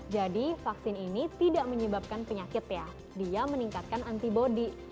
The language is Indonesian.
vaksin ini tidak menyebabkan penyakit ya dia meningkatkan antibody